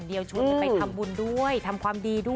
ดีด้วยนะคะ